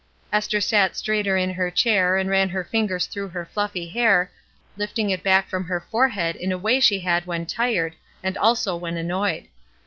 Esther sat straighter in her chair and ran her fingers through her fluffy hair, lifting it back from her forehead in a way she had when tired, and also when annoyed.